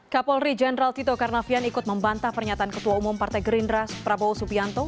kapolri jenderal tito karnavian ikut membantah pernyataan ketua umum partai gerindra prabowo subianto